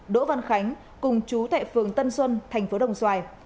đỗ văn khánh cùng chú tại phường tân xuân thành phố đồng xoài